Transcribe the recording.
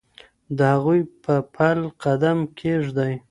د هغوی په پل قدم کېږدئ.